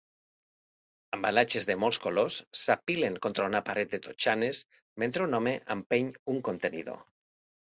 Embalatges de molts colors s'apilen contra una paret de totxanes mentre un home empeny un contenidor.